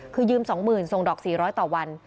คือยืมสองหมื่นทรงดอกสี่ร้อยต่อวัน